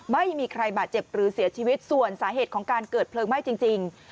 ไม่มีใครบาดเจ็บหรือเสียชีวิตส่วนสาเหตุของการเกิดเพลิงไหม้จริง